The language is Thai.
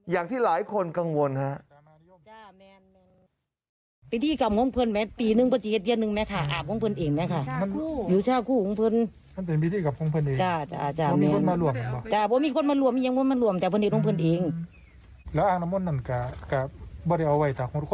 อย่างที่หลายคนกังวลครับ